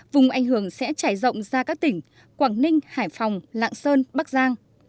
vùng ảnh hưởng sẽ trải rộng ra các tỉnh quảng ninh hải phòng lạng sơn bắc giang